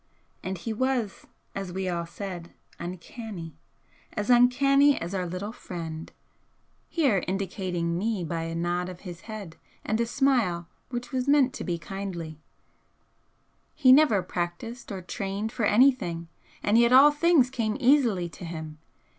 And he was, as we all said, 'uncanny ' as uncanny as our little friend," here indicating me by a nod of his head and a smile which was meant to be kindly "He never practised or 'trained' for anything and yet all things came easily to him.